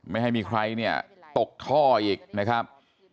ไม่ให้มีใครเนี่ยตกท่ออีกนะครับ